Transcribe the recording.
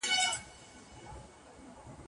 نن د سولي آوازې دي د جنګ بندي نغارې دي